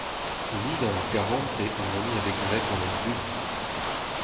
Lidañ ar garantez an hini a vez graet gant an dud.